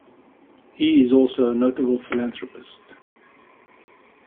He is also a notable philanthropist.